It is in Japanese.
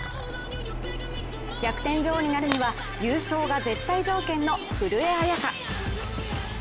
逆転女王になるには優勝が絶対条件の古江彩佳。